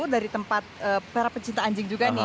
dari tempat para pecinta anjing juga nih